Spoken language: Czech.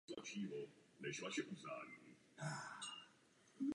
Zrušení muzea bylo provedeno bez souhlasu města.